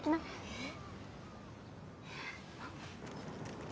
えっ？